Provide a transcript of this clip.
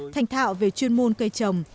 thành thạo về chuyên môn cây trồng